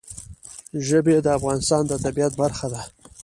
ژبې د افغانستان د طبیعت برخه ده.